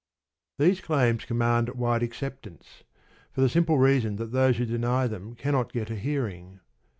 These claims command wide acceptance, for the simple reason that those who deny them cannot get a hearing.